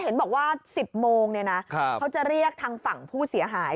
เห็นบอกว่า๑๐โมงเขาจะเรียกทางฝั่งผู้เสียหาย